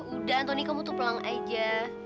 udah antoni kamu tuh pelang aja